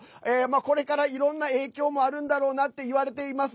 これからいろんな影響あるんだろうなっていわれています。